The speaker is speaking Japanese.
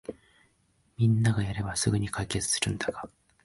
みんながやればすぐに解決するんだが